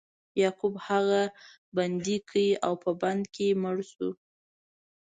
یعقوب هغه بندي کړ او په بند کې مړ شو.